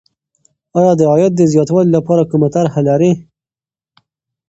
آیا د عاید د زیاتوالي لپاره کومه طرحه لرې؟